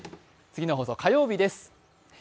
次の放送は火曜日です。